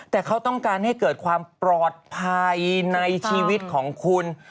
แต่เขาต้องการให้เกิดความปลอดภัยในชีวิตของคุณ